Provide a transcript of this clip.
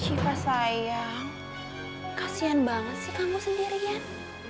shifa sayang kasian banget sih kamu sendirian